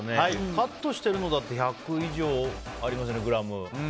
カットしてるのだと１００ｇ以上ありますよね。